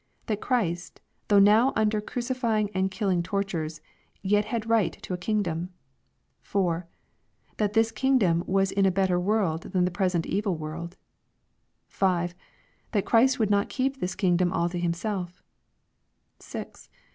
That Christ, though now under crucifying and killing tortures, yet had right to A kingdom :— 4. That this kingdom was in a better world than the present evil world ;— 5. That Christ would not keep tliis kingdom all to himself; — 6.